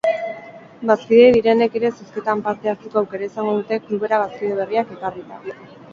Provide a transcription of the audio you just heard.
Bazkide direnek ere zozketan parte hartzeko aukera izango dute klubera bazkide berriak ekarrita.